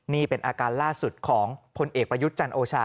นี่เป็นอาการล่าสุดของพลเอกประยุทธ์จันโอชา